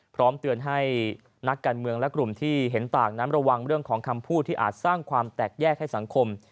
พร้อมเตือนให้นักการเมืองและกลุ่มที่เห็นต่างนั้นระวังเรื่องของคำพูดที่อาจสร้างความแตกแยกให้สังคม